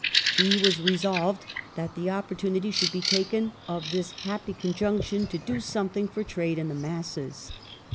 ^ He was resolved that the opportunity should be taken of this happy conjunction to " do something for trade and the masses